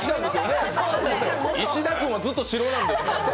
石田君はずっと白なんです。